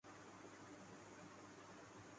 tax دینے میں دھوکہ نہیں دیتا